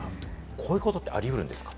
こういうことってありうるんですか？